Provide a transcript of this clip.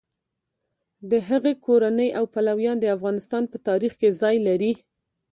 د هغه کورنۍ او پلویان د افغانستان په تاریخ کې ځای لري.